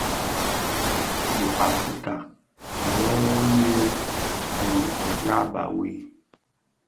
Di Afrika nghëghèn nyi di ndieba wui.